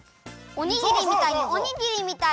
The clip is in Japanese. おにぎりみたいにおにぎりみたいに。